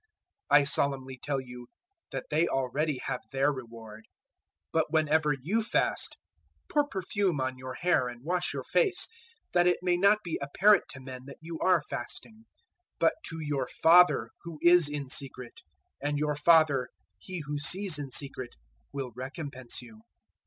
I solemnly tell you that they already have their reward. 006:017 But, whenever you fast, pour perfume on your hair and wash your face, 006:018 that it may not be apparent to men that you are fasting, but to your Father who is in secret; and your Father He who sees in secret will recompense you.